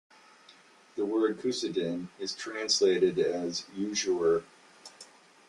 The word "kusidin" is translated as usurer.